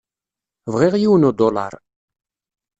Bɣiɣ yiwen udulaṛ.